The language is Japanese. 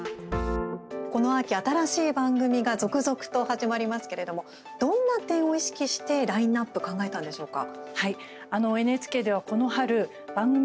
この秋、新しい番組が続々と始まりますけれどもどんな点を意識してラインナップ考えたんでしょうか？